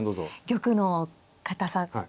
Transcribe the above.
玉の堅さ。